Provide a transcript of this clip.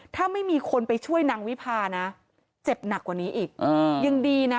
ถ้าไม่มีคนไปช่วยนางวิพานะเจ็บหนักกว่านี้อีกยังดีนะ